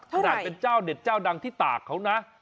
ขนาดเป็นเจ้าเด็ดเจ้าดังที่ตากเขานะ